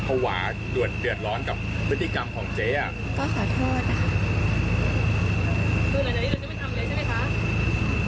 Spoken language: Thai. คือหลายเราจะไม่ทำเลยใช่ไหมคะ